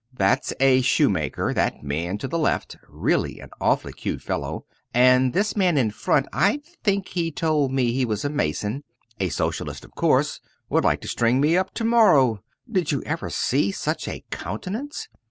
That's a shoemaker, that man to the left really an awfully cute fellow and this man in front, I think he told me he was a mason, a Socialist of course would like to string me up to morrow. Did you ever see such a countenance?